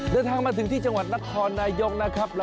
เดินทางมาถึงที่จังหวานนครนโยคนะ